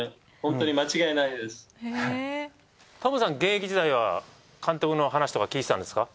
トムさん現役時代は監督の話とか聞いてたんですか？